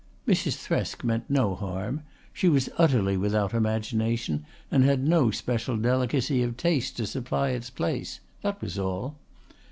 Mrs. Thresk meant no harm. She was utterly without imagination and had no special delicacy of taste to supply its place that was all.